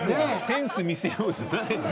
「センス見せよう」じゃないの。